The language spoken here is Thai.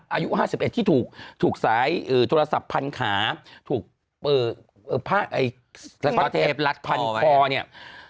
อายุ๕๑ที่ถูกสายโทรศัพท์พันขาถูกผ้าเทพลัดพันคอเนี่ย